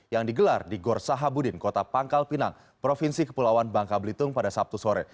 yang digelar di gorsahabudin kota pangkal pinang provinsi kepulauan bangka blitung pada sabtu sore